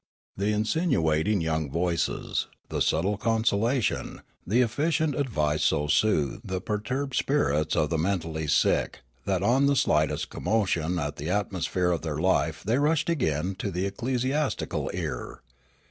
The in sinuating young voices, the subtle consolation, the efficient advice so soothed the perturbed spirits of the mentally sick that on the slightest commotion in the at mosphere of their life they rushed again to the ecclesias tical ear.